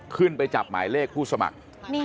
ขึ้นไปจับหมายเลขผู้สมัคร